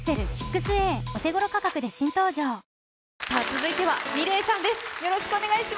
続いてはｍｉｌｅｔさんです。